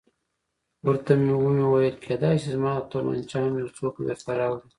ورته ومې ویل کېدای شي زما تومانچه هم یو څوک درته راوړي.